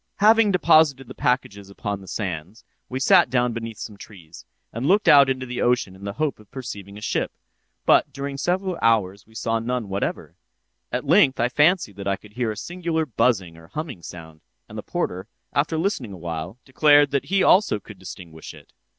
"'Having deposited the packages upon the sands, we sat down beneath some trees, and looked out into the ocean in the hope of perceiving a ship, but during several hours we saw none whatever. At length I fancied that I could hear a singular buzzing or humming sound; and the porter, after listening awhile, declared that he also could distinguish it.